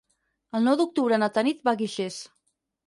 El nou d'octubre na Tanit va a Guixers.